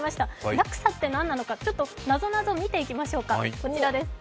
落差って何なのか、ナゾナゾを見ていきましょうか。